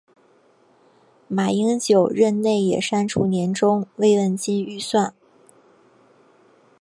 马英九任内也删除年终慰问金预算。